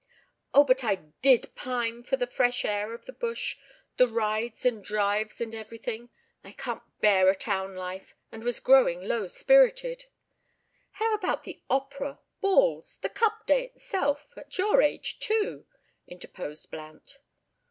"Oh! but I did pine so for the fresh air of the bush—the rides and drives and everything. I can't bear a town life, and was growing low spirited." "How about the opera, balls, the Cup Day itself, at your age too?" interposed Blount.